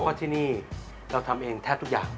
เพราะที่นี่เราทำเองแทบทุกอย่าง